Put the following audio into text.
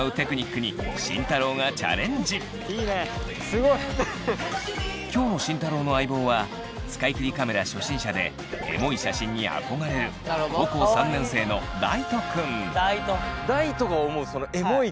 すごい！今日の慎太郎の相棒は使い切りカメラ初心者でエモい写真に憧れる高校３年生の大翔くん。